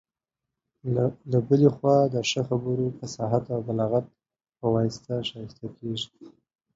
له بلي خوا د ښه خبرو، فصاحت او بلاغت په واسطه ښايسته کيږي.